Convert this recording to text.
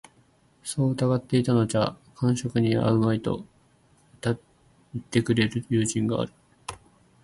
そう凝っていたのじゃ間職に合うまい、と云ってくれる友人がある